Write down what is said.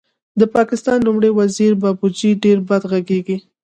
د پاکستان لومړی وزیر بابوجي ډېر بد غږېږي